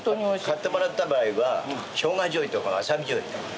買ってもらった場合はしょうがじょうゆとかわさびじょうゆ。